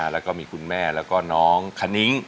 แล้วก็มีคุณแม่แล้วก็น้องคณิ้ง